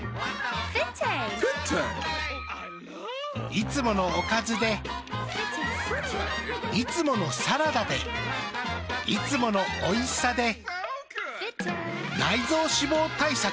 いつものおかずでいつものサラダでいつものおいしさで内臓脂肪対策。